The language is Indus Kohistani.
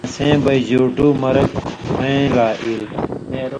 آں سَیں بئ جیُوٹُو مرک ہویں لا ایل۔